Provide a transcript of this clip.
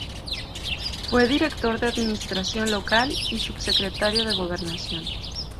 Fue director de Administración Local y subsecretario de Gobernación.